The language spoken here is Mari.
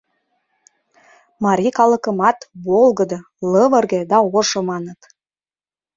Марий калыкымат волгыдо, лывырге да ошо маныт.